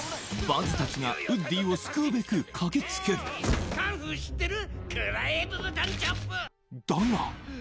バズたちがウッディを救うべく駆けつけるカンフー知ってる？